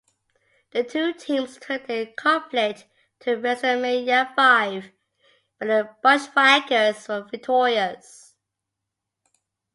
The two teams took their conflict to WrestleMania Five where the Bushwhackers were victorious.